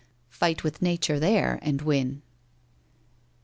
Fight with nature there and win.'